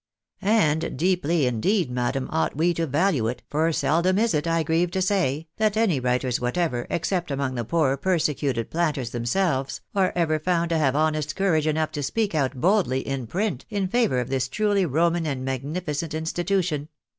And deeply indeed, madam, ought we to value it, for seldom is it, I grieve to say, that any writers whatever, except among the poor persecuted planters themselves, are ever found to have honest courage enough to speak out boldly in print in favour of this truly Roman and magnificent institution.